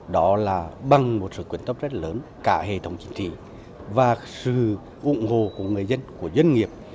đó là bằng một sự quyền tốc rất lớn cả hệ thống chính trị và sự ủng hộ của người dân của dân nghiệp